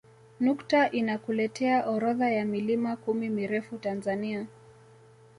Nukta inakuletea orodha ya milima kumi mirefu Tanzania